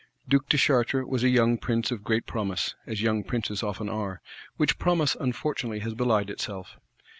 Duke de Chartres was a young Prince of great promise, as young Princes often are; which promise unfortunately has belied itself.